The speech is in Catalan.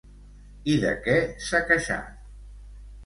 I de què s'ha queixat?